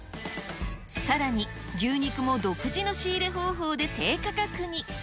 さらに牛肉も独自の仕入れ方法で低価格に。